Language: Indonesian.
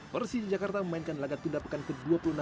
persija jakarta memainkan lagak tunda pekan ke dua puluh enam liga satu